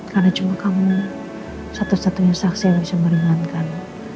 karena cuma kamu satu satunya saksi yang bisa meringankan